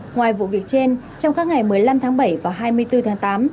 ngoài vụ việc trên trong các ngày một mươi năm tháng bảy và hai mươi bốn tháng tám